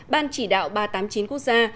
ban chỉ đạo ba trăm tám mươi chín quốc gia